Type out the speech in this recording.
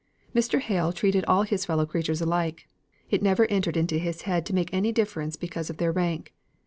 Mr. Hale treated all his fellow creatures alike: it never entered into his head to make any difference because of their rank.